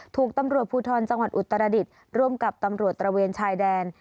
ถูกตำรวจภูทรจังหวัดอุตรดิษฐ์ร่วมกับตำรวจตระเวนชายแดน